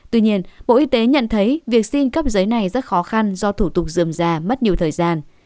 tuy nhiên bộ y tế nhận thấy việc xin cấp giấy này rất khó khăn do thủ tục dườm già mất nhiều thời gian